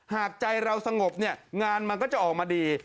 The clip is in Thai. หากใจเราสงบเนี่ยงานมันก็จะออกมาดี